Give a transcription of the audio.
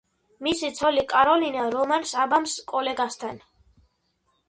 მისი ცოლი კაროლინა რომანს აბამს კოლეგასთან.